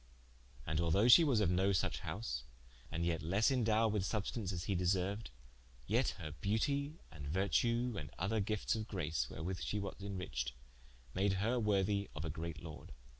And although she was of no suche house, and yet lesse indowed with substaunce, as he deserued, yet her beautie and vertue, and other giftes of grace, wherewith she was inriched, made her worthie of a great lorde.